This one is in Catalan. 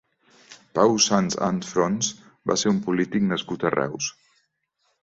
Pau Sans Anfrons va ser un polític nascut a Reus.